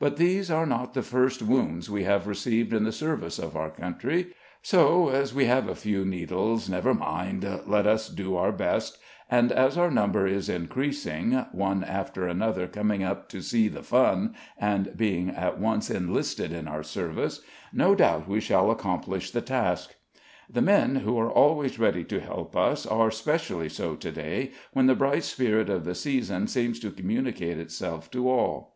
But these are not the first wounds we have received in the service of our country; so, as we have a few needles, never mind, let us do our best; and, as our number is increasing, one after another coming up "to see the fun," and being at once enlisted in our service, no doubt we shall accomplish the task. The men, who are always ready to help us, are specially so to day, when the bright spirit of the season seems to communicate itself to all.